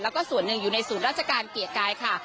แล้วก็ส่วนหนึ่งอยู่ในศูนย์ราชการเกียรติกายค่ะ